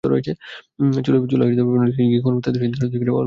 চুলায় প্যান বসিয়ে ঘি গরম করে তাতে দারুচিনি-তেজপাতা দিয়ে অল্প সময় নেড়ে নিন।